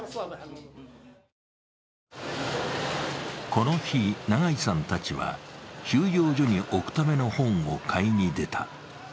この日、永井さんたちは収容所に置くための本を買いに出た。